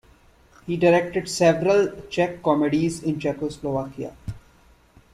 He directed several Czech comedies in Czechoslovakia.